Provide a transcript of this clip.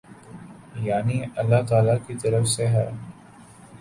یعنی اﷲ تعالی کی طرف سے ہے۔